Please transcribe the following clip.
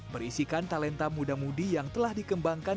berisikan talenta muda mudi yang telah dikembangkan